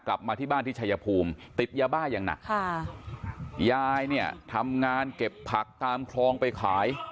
กลับมาที่บ้านที่ชายภูมิติดยาบ้าอย่างหนักค่ะยายเนี่ยทำงานเก็บผักตามคลองไปขาย